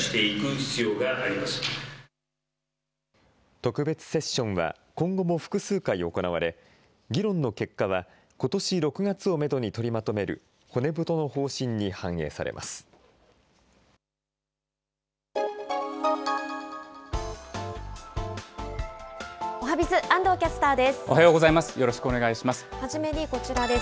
特別セッションは今後も複数回行われ、議論の結果は、ことし６月をメドに取りまとめる骨太の方針に反映されます。